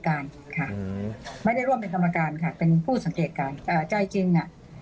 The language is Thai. การค่ะไม่ได้ร่วมเป็นธรรมการค่ะเป็นผู้สังเกตการใจจริง